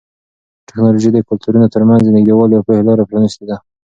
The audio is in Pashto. ټیکنالوژي د کلتورونو ترمنځ د نږدېوالي او پوهې لاره پرانیستې ده.